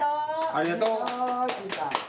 ありがとう。